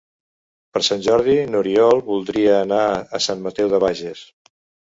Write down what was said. Per Sant Jordi n'Oriol voldria anar a Sant Mateu de Bages.